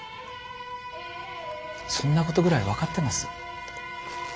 そんなことぐらい分かってます。